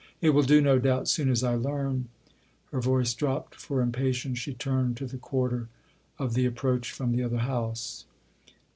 It will do, no doubt, soon as I learn !" Her voice dropped for impatience ; she turned to the quarter of the approach from the other house.